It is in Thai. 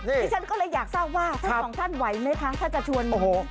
ดิฉันก็เลยอยากทราบว่าทั้งสองท่านไหวไหมคะถ้าจะชวนโอ้โห